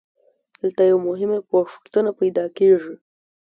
دلته یوه مهمه پوښتنه پیدا کېږي